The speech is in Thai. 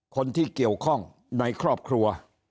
คนที่เกี่ยวข้องในครอบครัว